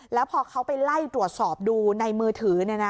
แล้วพอเขาไปไล่ตรวจสอบดูในมือถือ